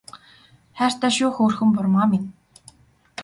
Хайртай шүү хөөрхөн бурмаа минь